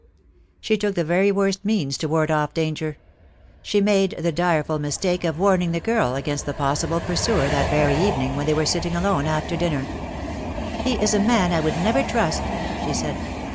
She took the very worst means to ward off danger. She made the direful mistake of warning the girl against the possible pursuer that very evening when they were sitting alone after dinner. " He is a man I could never trust," she said.